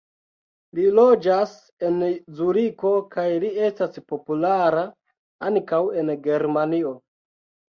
Li loĝas en Zuriko kaj li estas populara ankaŭ en Germanio.